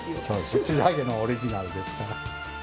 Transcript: うちだけのオリジナルですから。